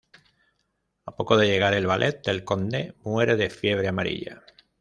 A poco de llegar, el valet del conde muere de fiebre amarilla.